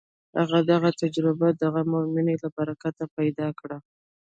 هغه دغه تجربه د غم او مینې له برکته پیدا کړه